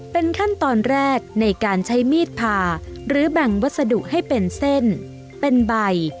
เป็นขั้นตอนแรกในการใช้มีดผ่าหรือแบ่งวัสดุให้เป็นเส้นเป็นใบ